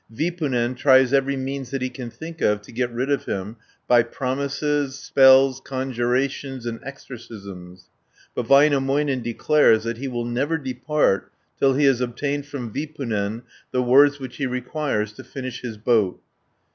Vipunen tries every means that he can think of to get rid of him by promises, spells, conjurations and exorcisms, but Väinämöinen declares that he will never depart till he has obtained from Vipunen the words which he requires to finish his boat (147 526).